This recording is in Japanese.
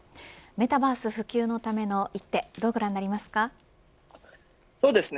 メタバース普及のための一手どうご覧になりますか。